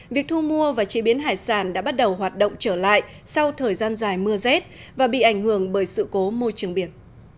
việc thu mua và chế biến hải sản đã bắt đầu hoạt động trở lại sau thời gian dài mưa rét và bị ảnh hưởng bởi sự cố môi trường biển